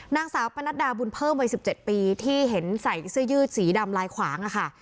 นางสาวปนัดดาบุญเพิ่มวัย๑๗ปีที่เห็นใส่เสื้อยืดสีดำลายขวางค่ะ